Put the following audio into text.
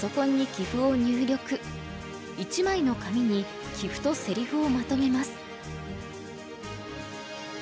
１枚の紙に棋譜とせりふをまとめます。